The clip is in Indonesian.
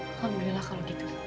alhamdulillah kalau gitu